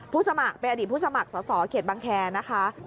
เป็นอดีตผู้สมัครส่อเขตบังแก่นะคะ